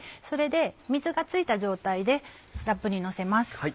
それで水が付いた状態でラップにのせます。